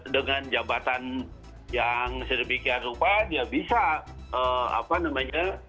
dengan jabatan yang sedepikian rupanya bisa apa namanya